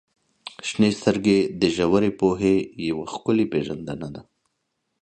• شنې سترګې د ژورې پوهې یوه ښکلې پیژندنه ده.